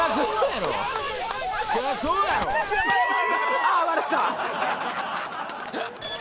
ああっ割れた！